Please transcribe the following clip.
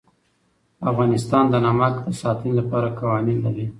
افغانستان د نمک د ساتنې لپاره قوانین لري.